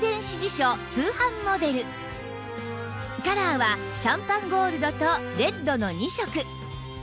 カラーはシャンパンゴールドとレッドの２色